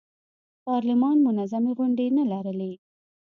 پارلمان منظمې غونډې نه لرلې.